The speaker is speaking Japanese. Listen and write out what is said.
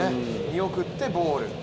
見送ってボール。